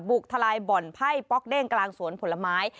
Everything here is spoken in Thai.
ทลายบ่อนไพ่ป๊อกเด้งกลางสวนผลไม้